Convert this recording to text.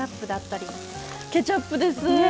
ケチャップです。